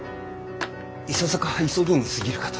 いささか急ぎにすぎるかと。